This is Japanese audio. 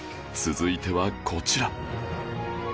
続いてはこちら